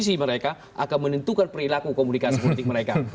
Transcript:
posisi mereka akan menentukan perilaku komunikasi politik mereka